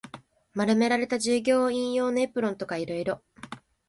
丸められた従業員用のエプロンとか色々